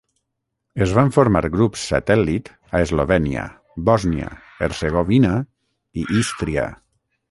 Es van formar grups satèl·lit a Eslovènia, Bòsnia, Hercegovina i Ístria.